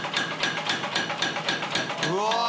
うわ。